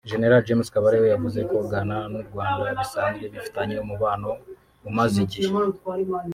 Gen James Kabarebe yavuze ko Ghana n’u Rwanda bisanzwe bifitanye umubano umaze igihe